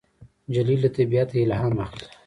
نجلۍ له طبیعته الهام اخلي.